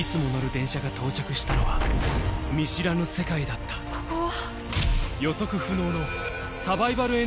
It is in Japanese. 電車が到着したのは見知らぬ世界だったここは？